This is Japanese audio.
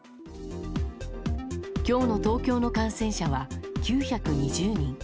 今日の東京の感染者は９２０人。